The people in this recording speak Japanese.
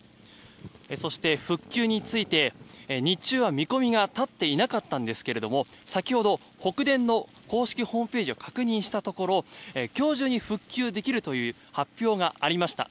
そして、復旧について日中は見込みが立っていなかったんですが先ほど北電の公式ホームページを確認したところ今日中に復旧できるという発表がありました。